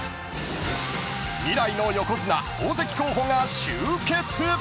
［未来の横綱大関候補が集結！］